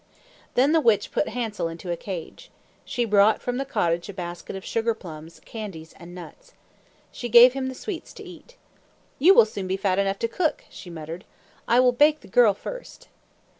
Then the witch put Hansel into a cage. She brought from the cottage a basket of sugar plums, candies, and nuts. She gave him the sweets to eat. "You will soon be fat enough to cook," she muttered. "I will bake the girl first."